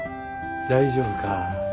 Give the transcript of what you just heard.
大丈夫か？